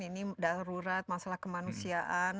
ini darurat masalah kemanusiaan